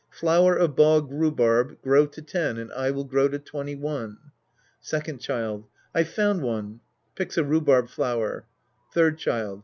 Flower of bog rhubarb, grow to ten, and I will grow to twenty one. Second Child. I've found one. {Picks a rhubarb flower^ Third Child.